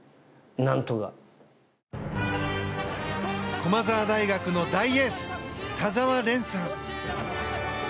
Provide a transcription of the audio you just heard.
駒澤大学の大エース田澤廉さん。